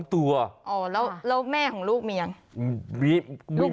ตัวอ๋อแล้วแม่ของลูกมียัง